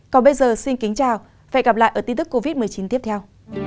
còn bây giờ xin kính chào và hẹn gặp lại ở tin tức covid một mươi chín tiếp theo